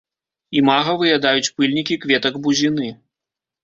Імага выядаюць пыльнікі кветак бузіны.